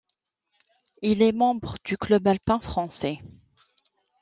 Il est membre du Club alpin français.